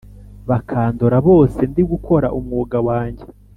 Bakandora bose ndigukora umwuga wanjye